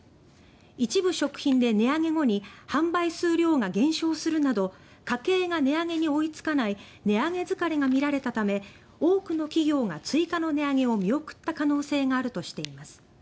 一部食品で値上げ後に販売数量が減少するなど家計が値上げに追いつかない値上げ疲れが見られたため多くの企業が追加の値上げを見送った可能性があるとしています。